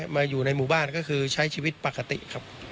อยู่ในหมู่บ้านก็คือใช้ชีวิตปกติครับ